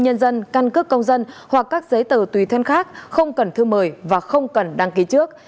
nhân dân căn cước công dân hoặc các giấy tờ tùy thân khác không cần thư mời và không cần đăng ký trước